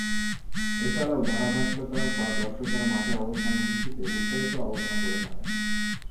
এছাড়াও, ধারাভাষ্যকার বা দর্শকেরা মাঠে অবস্থানের বিষয়ে বিস্তারিত আলোচনা করে থাকেন।